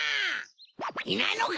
いないのか？